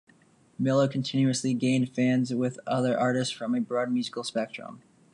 Miller continuously gained fans with other artists from a broad musical spectrum.